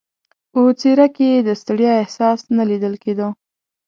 په څېره کې یې د ستړیا احساس نه لیدل کېده.